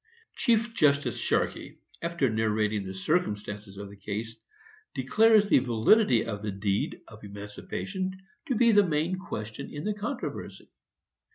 Chief Justice Sharkey, after narrating the circumstances of the case, declares the validity of the deed of emancipation to be the main question in the controversy.